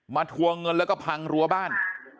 ทวงเงินแล้วก็พังรั้วบ้าน